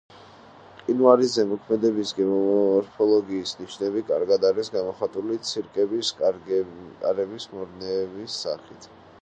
მყინვარის ზემოქმედების გეომორფოლოგიის ნიშნები კარგად არის გამოხატული ცირკების, კარების, მორენების სახით.